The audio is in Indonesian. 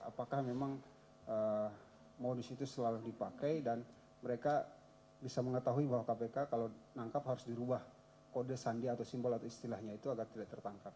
apakah memang modus itu selalu dipakai dan mereka bisa mengetahui bahwa kpk kalau nangkap harus dirubah kode sandi atau simbol atau istilahnya itu agar tidak tertangkap